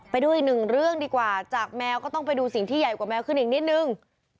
ไปดูอีกหนึ่งเรื่องดีกว่าจากแมวก็ต้องไปดูสิ่งที่ใหญ่กว่าแมวขึ้นอีกนิดนึง